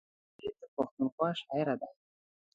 لنګر بي بي د پښتونخوا شاعره ده.